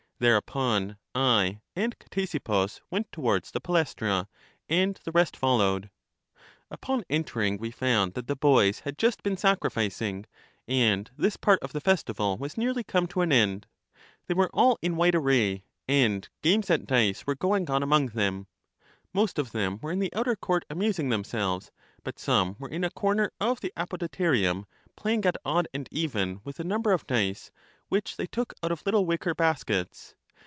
Thereupon I and Ctesippus went towards the Palaestra, and the rest followed. Upon entering we found that the boys had just been sacrificing; and this part of the festival was nearly come to an end. They were all in white array, and games at dice were going on among them. Most of them were in the outer court amusing themselves; but some were in a corner of the Apodyterium play ing at odd and even with a number of dice, which they took out of little wicker baskets.